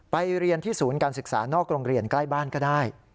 เรียนที่ศูนย์การศึกษานอกโรงเรียนใกล้บ้านก็ได้